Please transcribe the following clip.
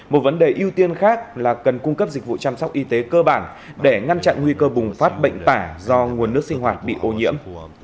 một vấn đề ưu tiên khác là cần cung cấp dịch vụ chăm sóc y tế cơ bản để ngăn chặn nguy cơ bùng phát bệnh tả do nguồn nước sinh hoạt bị ô nhiễm